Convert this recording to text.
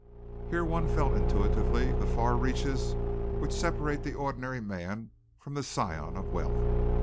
Here one felt intuitively the far reaches which separate the ordinary man from the scion of wealth.